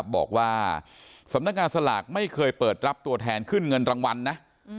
บอกว่าสำนักงานสลากไม่เคยเปิดรับตัวแทนขึ้นเงินรางวัลนะ